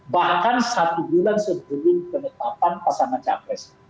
bahkan satu bulan sebelum penetapan pasangan capres